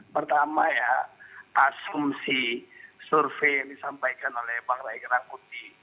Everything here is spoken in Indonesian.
pertama ya asumsi survei yang disampaikan oleh bang ray rangkuti